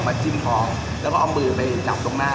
จิ้มท้องแล้วก็เอามือไปจับตรงหน้า